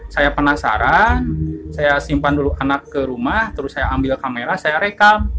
saya penasaran saya simpan dulu anak ke rumah terus saya ambil kamera saya rekap